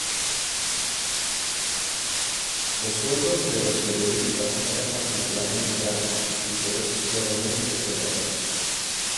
Los sueldos de los periodistas eran particularmente altos y por eso fueron muy cuestionados.